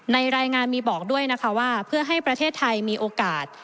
ในรายงานมีบอกด้วยนะคะว่าเพื่อให้ประเทศไทยมีโอกาส